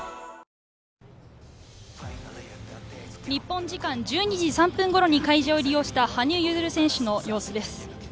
日本時間１２時３分頃に会場入りした羽生結弦選手の様子です。